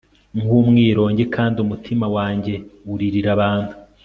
nk umwirongi kandi umutima wanjye uririra abantu